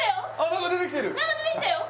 何か出てきたよ！